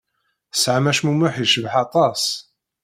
Tesɛam acmumeḥ yecbeḥ aṭas.